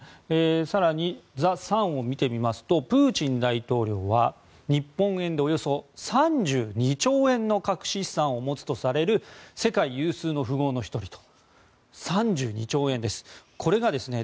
更に、ザ・サンを見てみますとプーチン大統領は日本円でおよそ３２兆円の隠し資産を持つとされる世界有数の富豪の１人と。